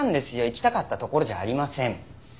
行きたかったところじゃありません。